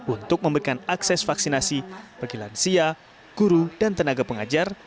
untuk memberikan akses vaksinasi bagi lansia guru dan tenaga pengajar